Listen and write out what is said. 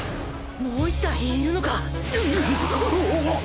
もう１体いるのか。